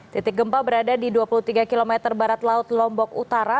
titik gempa berada di dua puluh tiga km barat laut lombok utara